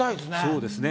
そうですね。